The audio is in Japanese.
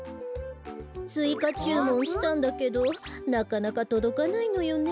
ついかちゅうもんしたんだけどなかなかとどかないのよね。